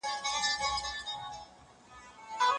که لابراتواري تجربه ترسره سي، تیوري نه هېرېږي.